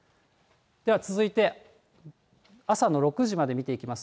では続いて朝の６時まで見ていきます。